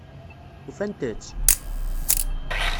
Ufant-tt?